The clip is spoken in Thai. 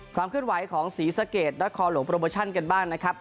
ความเคลื่อนไหวของสีสะเกรดและคอหลมเเลี้ยนะครับ